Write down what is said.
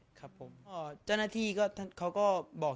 สงฆาตเจริญสงฆาตเจริญ